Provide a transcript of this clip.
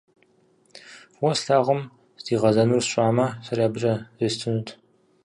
ФӀыуэ слъагъум здигъэзэнур сщӀамэ, сэри абыкӀэ зестынут.